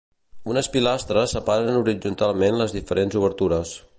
Unes pilastres separen horitzontalment les diferents obertures.